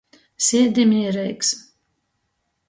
Siedi mīreigs.